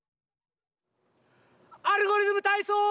「アルゴリズムたいそう」！